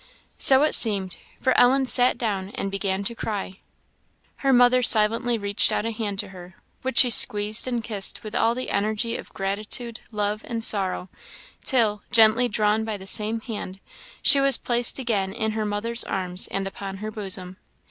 So it seemed, for Ellen sat down and began to cry. Her mother silently reached out a hand to her, which she squeezed and kissed with all the energy of gratitude, love, and sorrow; till, gently drawn by the same hand, she was placed again in her mother's arms and upon her bosom.